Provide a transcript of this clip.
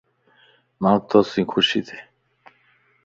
مانک تو سين خوشي ٿي